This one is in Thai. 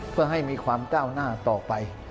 เพื่อให้มีความก้าวหน้าต่อไป